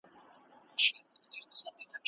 هغه ساینسپوه چي قاطعیت لري د خلګو د پام وړ ګرځي.